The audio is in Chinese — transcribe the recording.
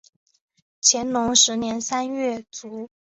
乾隆十年三月卒。